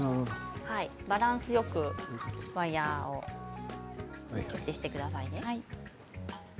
バランスよくワイヤーをつけてください。